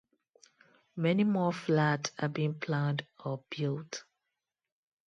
Many more flats are being planned or built.